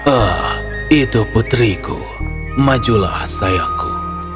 ah itu putriku majulah sayangku